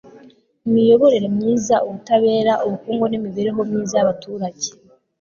imiyoborere myiza, ubutabera, ubukungu n'imibereho myiza y'abaturage